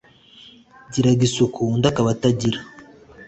giraga isuku undi akaba atagira